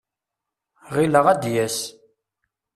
Ɣileɣ ad d-yas.